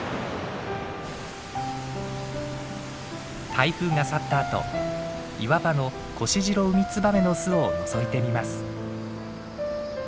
台風が去ったあと岩場のコシジロウミツバメの巣をのぞいてみます。